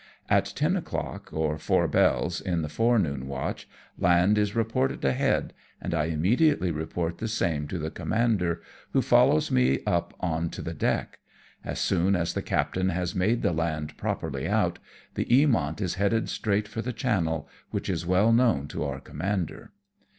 At ten o'clock, or four bells, in the forenoon watch, land is reported ahead, and I immediately report the same to the commander, who follows me up on to the deck. As soon as the captain has made the land properly outj the Eamont is headed straight for the channel, which is well known to our commander.